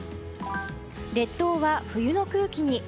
列島は冬の空気に。